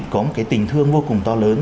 có một cái tình thương vô cùng to lớn